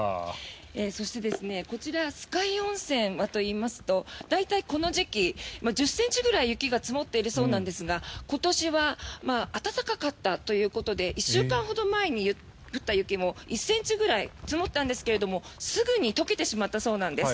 そして、こちら酸ヶ湯温泉はといいますと大体、この時期１０ｃｍぐらい雪が積もっているそうなんですが今年は暖かったということで１週間ほど前に降った雪も１ｃｍぐらい積もったんですがすぐに解けてしまったそうなんです。